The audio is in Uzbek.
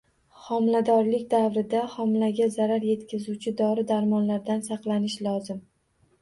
Homiladorlik davrida homilaga zarar yetkazuvchi dori-darmonlardan saqlanish lozim.